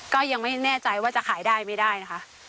ก็ยังไม่แน่ใจว่าจะขายได้ไม่ได้นะคะ